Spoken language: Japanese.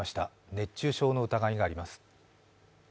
熱中症の疑いがあります。